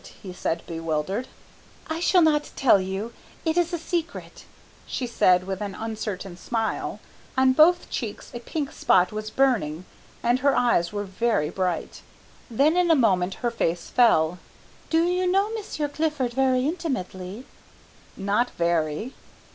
he said, bewildered. "I shall not tell you, it is a secret," she said with an uncertain smile. On both cheeks a pink spot was burning, and her eyes were very bright. Then in a moment her face fell. "Do you know Monsieur Clifford very intimately?" "Not very."